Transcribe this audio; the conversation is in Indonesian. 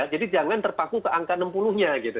jadi jangan terpaku ke angka enam puluh nya gitu